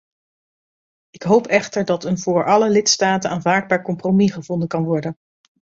Ik hoop echter dat een voor alle lidstaten aanvaardbaar compromis gevonden kan worden.